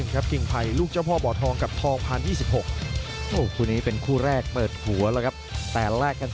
สวัสดีครับคุณภาพเต็มแมนปุ๋ยโฟร์แมน